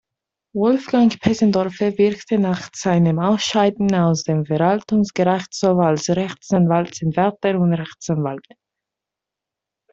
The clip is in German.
Wolfgang Pesendorfer wirkte nach seinem Ausscheiden aus dem Verwaltungsgerichtshof als Rechtsanwaltsanwärter und Rechtsanwalt.